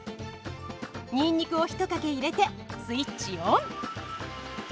ニンニクを一かけ入れてスイッチオン。